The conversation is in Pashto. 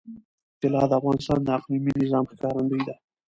طلا د افغانستان د اقلیمي نظام ښکارندوی ده.